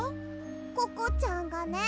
ココちゃんがね